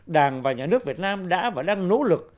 đảng và nhà nước việt nam đã và đang nỗ lực